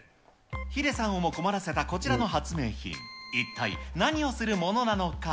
ヒデさんをも困らせたこちらの発明品、一体何をするものなのか。